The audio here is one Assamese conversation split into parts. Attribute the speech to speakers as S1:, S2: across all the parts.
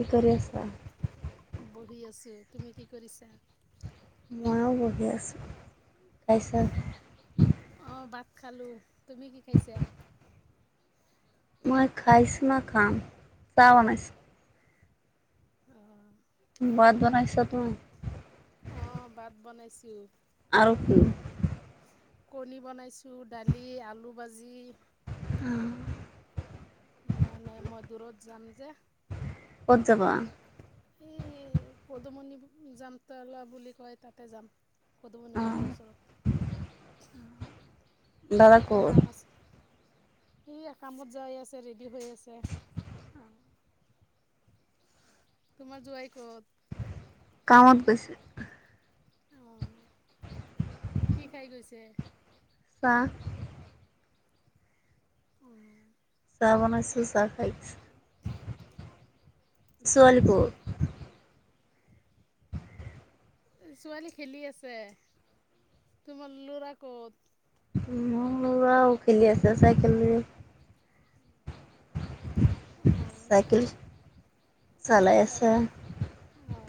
S1: কি কৰি আছা?
S2: বহি আছো। তুমি কি কৰিছা?
S1: ময়ো বহি আছোঁ খাই চাই
S2: অঁ ভাত খালো। তুমি কি খাইছা?
S1: মই খাইছো না খাম। চাহ বনাইছো।
S2: উম।
S1: ভাত বনাইছা তুমি
S2: অ, ভাত বনাইছো।
S1: আৰু কি?
S2: কণী বনাইছো দালি আলু ভাজি
S1: অ'
S2: মানে মই দূৰত যাম যে।
S1: কত যাবা
S2: এই পদুমণি জামতলা বুলি কয় তাতে যাম। কদুমণি বজাৰৰ
S1: অ'
S2: ওচৰত।
S1: দাদা
S2: কিবা এটা কাম
S1: ক'ত?
S2: আছে। স কামত যাই আছে ৰেডি হৈ আছে তোমাৰ জোৱাই ক'ত
S1: কামত গৈছি
S2: অ ' কি খাই গৈছে
S1: চা [inaudible]
S2: উ,
S1: চাহ বনাইছো চাহ খাইছ ছোৱালী
S2: ছোৱালী খেলি আছে তোমাৰ লৰা ক'ত
S1: মোৰ লৰাও খেলি আছে চাইকেল
S2: অঁ
S1: চাইকেল। চালাই আছা
S2: চাই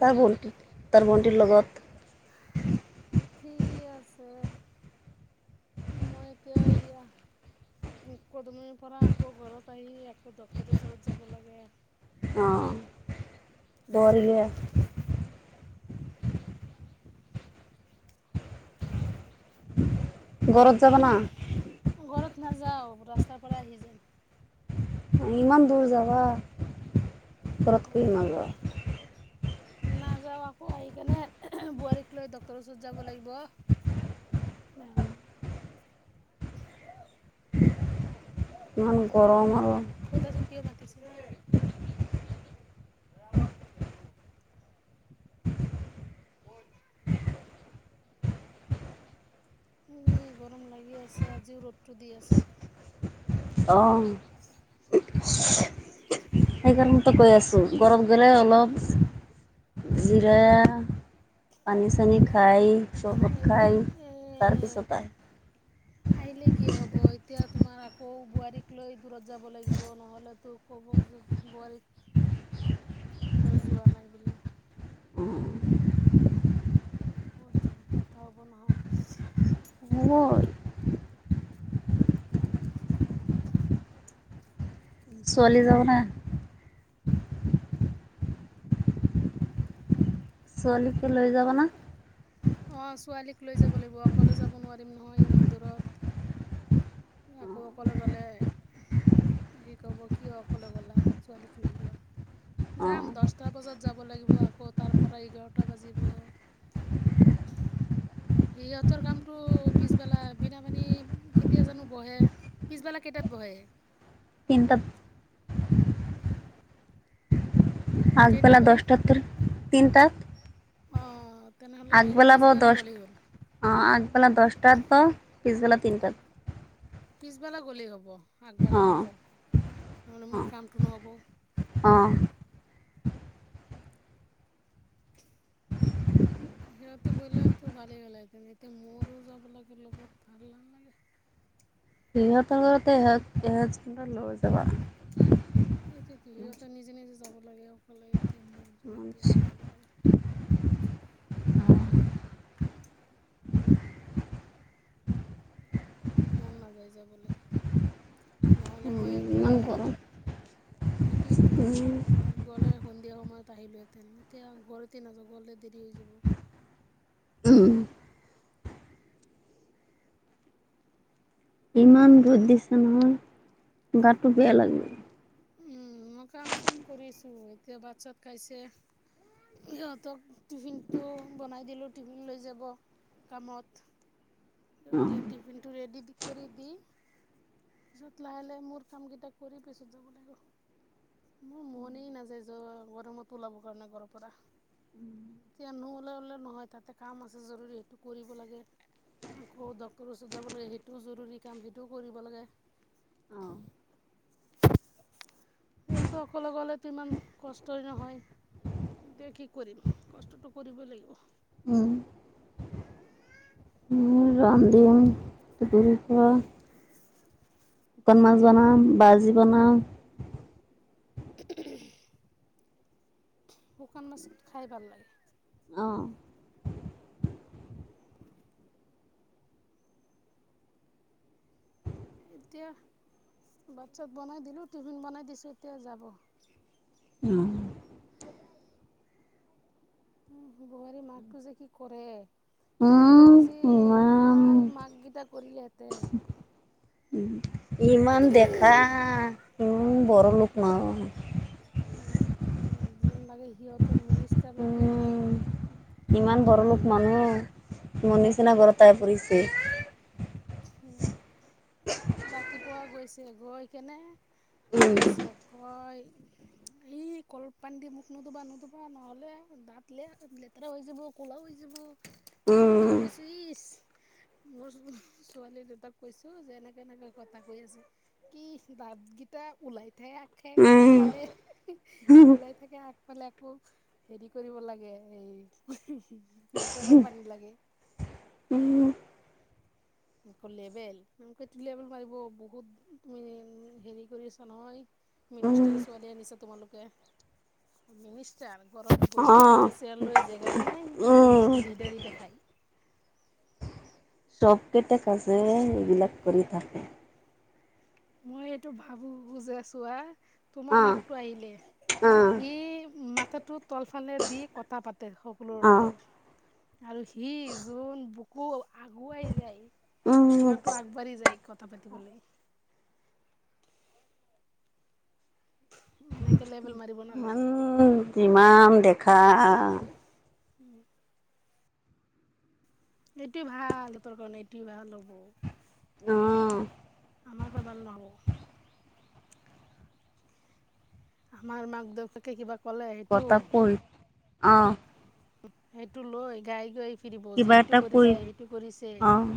S1: তাৰ বণ্টি তাৰ বণ্টিৰ লগত [inaudible]
S2: ঠিক আছে মইতেয়া কদুমিৰ পৰা আকৌ ঘৰত আহি আকৌ ড্তৰৰ ওচৰত যাব লাগে
S1: অ দৌৰে ঘৰত যাব না
S2: নাযাও ৰাস্তাৰ পৰা আহি যাম।
S1: ইমান দূৰ যাবা ঘৰতকৈ ইমান যাবা।
S2: নাযাও আকৌ আহি কেনেে বোৱাৰীক লৈ ড্টৰৰ ওচৰত যাব লাগিব।
S1: অ' ইমান গৰম আৰু।
S2: সুধাচোন কিয় মতিছে [inaudible]
S1: [inaudible]
S2: এ গৰম লাগি আছে আজিও ৰ'দটো দি আছে
S1: অ' সেইকাৰণতেো কৈ আছো গৰম গ'লে অলপ। জৰা পানী চানি খাই। চৰবত
S2: এতিয়া
S1: খাই
S2: এ
S1: তাৰপিছত আহ
S2: আহিলে কি হ'ব এতিয়া। তোমাৰ আকৌ বোৱাৰীক লৈ দূৰত যাব লাগিব নহ'লেতো ক'ব বোৱাৰীক।
S1: [inaudible]
S2: লৈ যোৱা নাই বুলি।
S1: অ'
S2: [inaudible]
S1: হ ছোৱালী যোৱা কথা আছিল ছোৱালি প লৈ যাবনা
S2: অ' ছোৱালীক লৈ যাব লাগিব অকলে যাব নোৱাৰিম নহয় ইমান দূৰত আকৌ অকলে গলে সে ক'ব কিয় অকলে গ'লা ছোৱালীক লৈ যোৱা।
S1: অ
S2: যাম দহটা বজাত যাব লাগিব আকৌ তাৰ পৰা এঘাৰটা বাজিব।
S1: [inaudible]
S2: সিহতৰ কামতটো পিছবেলা বিনা পানী কেতিয়া জানো বহে পিছবেলা কেইট বয়ে
S1: কিন্ত আগবেলা
S2: কেইটাত বহে
S1: দহটাত তিনিটাত,
S2: অ' তেনেহ'লে বা পিছবেলা
S1: দহ
S2: গলি হল।
S1: অ' আগবেলা দহটাত দেও পিছবেলা তিনিটাত।
S2: পিছবেলা গলি হব। আগবেলা নাযাওঁ নহ'লে
S1: অ
S2: মোৰ কামটো নহ'ব।
S1: অ উ [inaudible]
S2: সিহঁতো গ'লেতো ভালেই হ'লতে এতিয়া মোৰো যাব লাগে লগত ভাল নালাগে।
S1: সিহতে এহজ কি লৈ যাবা [unintelligible]
S2: এইটোৱেইটো হিতে নিজে-নিজে যাব লাগে আৰু। এতিয়া মোক মাতি আছে যাব লাগে।
S1: [inaudible]
S2: মন নাযায় যাবলে নহলে মই
S1: ইমান
S2: গৈ সেইটোয়তো গ'লে সন্ধিয়া সময়ত আহিলোহেতেন এতিয়া ঘৰতে নাযাওঁ ঘৰতে দেৰি হৈ যাব।
S1: উম, ইমান ৰদ দিচে নহয় গাটো বেয়া লাগিল।
S2: ত এতিয়া ভাত চাত খাইছে। সিহতক টিফিনটো বনাই দিলো টিফিন লৈ যাব।
S1: অ
S2: কামততিয়া টিফিনটো ৰেডি কৰি দি। পিছত লাহে-লাহে মোৰ কাম কেইটা কৰি পিছত যাব লাগিব। মোৰ মনেই নাযায় য গৰমতো ওলাব কাৰণে ঘৰৰ পৰা। এতিয়া লগলে লেও নহয় তাতে কাম আছে জৰুৰী সেইটো কৰিব লাগে। আকৌ ডক্টৰৰ ওচৰত যাব লাগে সেইটোও জৰুৰী কাম সেইটোও কৰিব লাগে।
S1: অ',
S2: সিহঁততো অকলে গলেতো ইমান কষ্টই নহয়। দে কি কৰিম কষ্টটো কৰিবই লাগিব।
S1: উম, ৰামধিন তুপুৰী কৰাৰা শুকণ মাছ জানো বাজিব নোৱাৰোঁ
S2: শুকান মাছত খাই ভাল লাগে।
S1: অ
S2: এতিয়া বাচ্ছাত বনাই দিলো টিফিন বনাই দিছো এতিয়া যাব।
S1: উম [inaudible]
S2: মেৰী মাকটো যে কি কৰে। এনেকে বুজি
S1: ইমান
S2: আমাৰ মাক গেইটা কৰিলেহেঁতেন।
S1: ইমান দেখা উম, বড় লোক মানুহ,
S2: উম-উম, যোন লাগে সিহত মিনিষ্টাৰ নেকি?
S1: উম ইমান
S2: লেবেল
S1: বড়
S2: মাৰে
S1: লোক মানুহ মোৰ নিচিনা ঘৰতেই পৰিছে।
S2: উম, ৰাতিপুৱা গৈচিল গৈ কেনে,
S1: উম
S2: কৈ আছে কয় ই কলপান দি মোক নুধুবা নুধুবা নহ'লে। দাঁত ল লেতেৰা হৈ যাব ক'লা হৈ যাব। অ'
S1: উম
S2: ভাবিছো ইচ মোৰ ছোৱালী দেউতাক কৈছো যে এনেকে-এনেকে কথা কৈ আছে, কি দাত কেইটা ওলাই থা সেই অফালে,
S1: উম,
S2: লাই থাকে আগফালে আকৌ হেৰি কৰিব লাগে এই ফিল্টাৰৰ পানী লাগে।
S1: উম,
S2: লেভেল-লেভেল মাৰিব বহুত তুমি হেৰি কৰি আছা নহয়।
S1: উম
S2: মিনিষ্টাৰ ছোৱালী আনিছা তোমালোকে মিনিষ্টাৰ, ঘৰত
S1: অ
S2: ঘুৰিব কাৰনে চেযাৰ লৈ জেগাই নাই আকৌ মিনি
S1: উম
S2: লিডাৰি দেখাই,
S1: চবকেইটা কাজে এইবিলাক কৰি থাকে।
S2: মই এইটো ভাবো বুজেছোৱা। তোমাৰ
S1: অ',
S2: মাকটো আহিলে
S1: অ'।
S2: সি মাথাটো তলফালে দি কথা পাত তে সকলোৰ
S1: অ',
S2: লগত। আৰু সি যোন বুকু আগুৱাই যায়
S1: উম,
S2: চীনাটো আগবাঢ়ি যায়। কথা পাতিব লে। এনেকে লেবেল মাৰিব
S1: ইমান
S2: নালাগে।
S1: যিমান দেখা।
S2: উম। এইটোৱে ভাল সিহঁতৰ কাৰণে এইটো ভাল হ'ব।
S1: অ'।
S2: আমাৰ বাবে ভাল নহ'ব। আমাৰ মাক দেউতাকে কিবা ক'লে সেইটো
S1: কথা কৈ অ'।
S2: সেইটো লৈ গাই-গাই ফুৰিব যে
S1: কিবা
S2: এইটো
S1: এটা
S2: কৰিছে
S1: কৈ
S2: সেইটো কৰিছে।
S1: অ',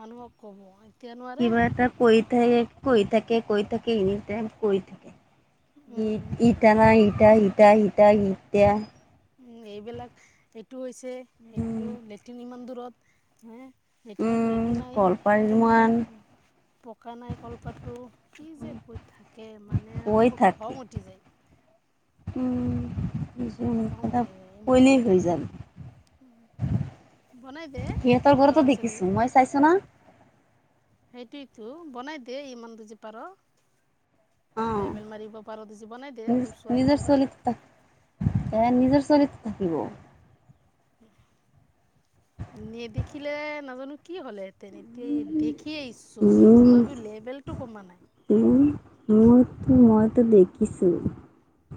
S2: মানুহক ক'ব। এতিয়া নোৱাৰে
S1: কিবা এটা কৈ থাকে, কৈ থাকে- কৈ থাকে, এনিটাইম কৈ থাকে। ই
S2: উম,
S1: ইত ন ইটা সিটা সিতা ইতা।
S2: উম্, এইবিলাক এইটো হৈছে,
S1: উম,
S2: সেইটো লেট্ৰিন ইমান দূৰত হে। লেট্ৰিনত
S1: উম,
S2: এইটো নাই
S1: কলপাৰ
S2: সেইটো নাই।
S1: মান
S2: পকা নাই কলপাতটো কি যে কৈ থাকে মানে
S1: কৈ
S2: মোৰ
S1: থাকে
S2: খং উঠি যায়।
S1: [inaudible] উম, [unintelligible]
S2: খং
S1: কথা
S2: উঠি যায় ইমান
S1: ক'লেই হৈ যাম।
S2: বনাই দে
S1: সিহঁতৰ
S2: তহঁতৰ
S1: ঘৰতো
S2: আছে
S1: দেখিছো মই চাইছো না।
S2: সেইটোৱেটো বনাই দে, ইমান দুজি পাৰ।
S1: অ
S2: লেবেল মাৰিব পাৰ দূজি বনাই দে তোৰ ছোৱালী
S1: নিজৰ ছোৱালীটো
S2: ঘৰত।
S1: এ নিজৰ ছোৱালী থাকিব।
S2: নেদেখিলে নাজানো কি হ'লে। তেনেকে দেখি আহিছোঁ চকুৰে
S1: উম
S2: তথাপিও লেভেল টো কমা নাই।
S1: মোৰটো মইতো দেখিছোঁ।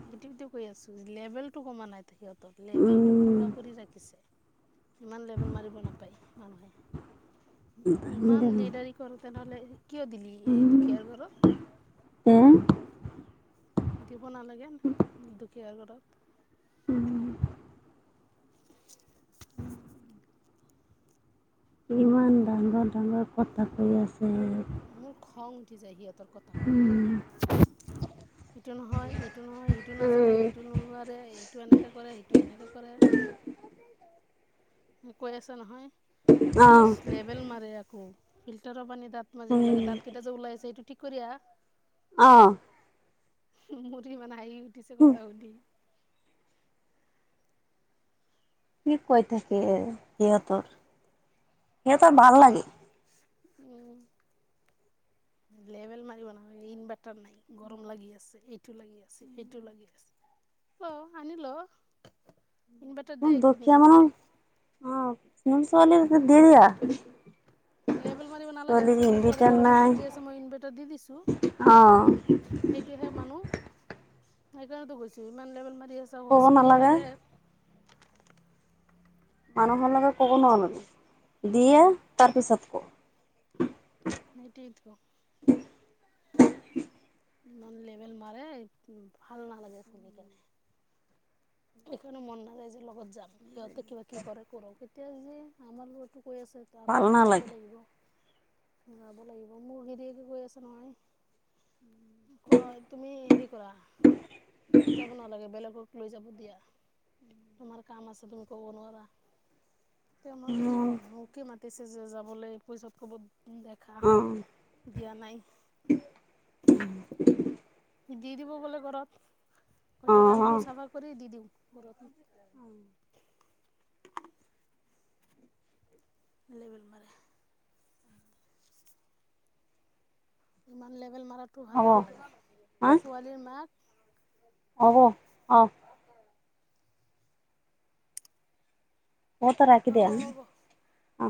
S2: সেইটোৱেটো কৈ আছোঁ, লেবেলটো কমা নাই, লেবেলটো
S1: উম
S2: পোৰা পুৰি ৰাখিছে। ইমান লেবেল মাৰিব নাপায় মানুহে।
S1: দামী
S2: ইমান
S1: দামী
S2: লিডাৰি কৰোঁতে নহ'লে কিয় দিলি এই দুখীয়াৰ ঘৰত।
S1: উম।
S2: দিব নালাগে দুখীয়া ঘৰত। [inaudible]
S1: ইমান ডাঙৰ- ডাঙৰ কথা কৈ আছ
S2: মোৰ খং উঠি যায় সিহঁতৰ কথা
S1: উম
S2: শুনি। সিটো নহয় এইটো নহয় সিটো নাজানে সিটো নোৱাৰে এইটো এনেকে কৰে সেইটো এনেকে কৰে।
S1: [inaudible]
S2: কৈ আছে নহয়
S1: অ
S2: ক ইছ লেবেল মাৰে আকৌ ফিল্টাৰৰ পানী দাঁত মাাজিব লাগে দাঁত কেইটা যে ওলাই আছে এইটো ঠিক কৰি আহা।
S1: অ'।
S2: মোৰ ইমান হাঁহি উঠিছে কথা শুনি।
S1: কি কৈ থাকে সিহঁতৰ- সিহঁতৰ ভাল লাগে।
S2: উম। লেভেল মাৰিব ন ইনভাৰ্টাৰ নাই গৰম লাগি আছে। এইটো লাগি আছে, সেইটো লাগি আছে অ' আনি ল। ইনভাৰ্টাৰ দে কিনি
S1: দুখীয়া
S2: কিনে
S1: মানে অ [unintelligible] দিয়া।
S2: লেবেল মাৰিব নালাগে
S1: ছোৱালীৰ
S2: আছে মোৰ ছোৱালী
S1: ইনভাৰ্টাৰ
S2: গৰমত
S1: নাই
S2: ভুগি আছে মই ইনভাৰ্টাৰ দি দিছো।
S1: অ',
S2: সেইটোহে মানুহ সেইকাৰণে তো কছো ইমান লেবেল মাৰি
S1: ক'ব নালাগে
S2: [unintelligible]
S1: মানুহৰ লগে ক'ব নোৱাৰো
S2: উম
S1: দিয়ে তাৰপিছত ক
S2: সেইটোৱেতো ইমান লেভেল মাৰে ভাল নালাগে শুনি কেনে সকাৰণে মন নাযায় যে লগত যাম সিহঁতে কিবা কি কৰে কৰো এতিয়া যে আমাৰ লগ কৈ আছে
S1: ভাল
S2: আপুনি যাব
S1: নালাগে।
S2: লাগিব। যাব লাগিব মোৰ গিৰিয়কে গৈ আছে নহয় ক তুমি হেৰি কৰা যাব নালাগে বেলেগক লৈ যাব দিয়া। তোমাৰ কাম আছে কব নোৱাৰা। তে মই কি
S1: উম,
S2: ক'ম মোকে মাতিছে যে যাবলৈ পইচত কব দেখা
S1: আহ।
S2: দিয়া নাই। দি দিব বোলে ঘৰত
S1: অ',
S2: হয়তো কামটো চাফা কৰি দি দিওঁ ঘৰত
S1: অ [unintelligible]
S2: লেবেল‌ মৰা। ইমান লেভেল মাৰটো ভাল
S1: হ'ব
S2: নালাগে
S1: হা
S2: ছোৱালীৰ মাক
S1: হব, অ',। অ
S2: হ'ব হ'ব
S1: [unintelligible]